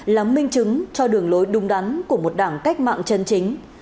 là minh chứng cho đường lối đúng đắn của một đảng cách mạng chân chính